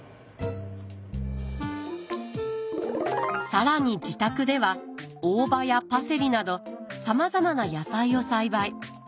更に自宅では大葉やパセリなどさまざまな野菜を栽培。